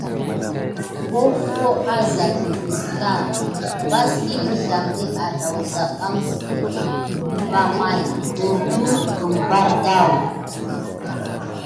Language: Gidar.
Hofo azà təɓəz vaski mizelamɗe adaou saback sikéte van maya cordu kum bardaou.